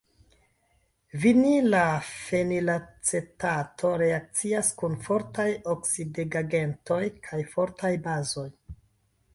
Vinila fenilacetato reakcias kun fortaj oksidigagentoj kaj fortaj bazoj.